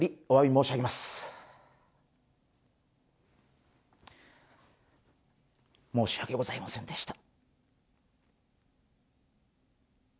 申し訳ございませんでした。